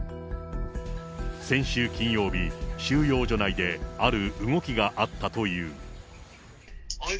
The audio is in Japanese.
先週金曜日、収容所内である動きがあったという。